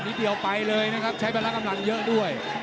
เดียวไปเลยนะครับใช้พละกำลังเยอะด้วย